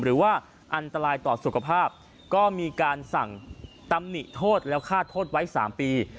หรือว่าอันตรายต่อสุขภาพก็มีการสั่งตำหนิโทษแล้วฆ่าโทษไว้๓ปี